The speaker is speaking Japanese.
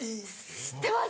知ってます。